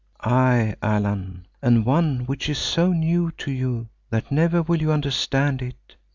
"Aye, Allan, and one which is so new to you that never will you understand it.